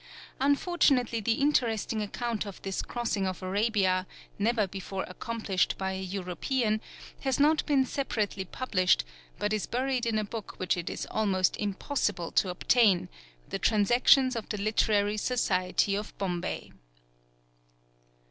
Unfortunately the interesting account of this crossing of Arabia, never before accomplished by a European, has not been separately published, but is buried in a book which it is almost impossible to obtain, "The Transactions of the Literary Society of Bombay."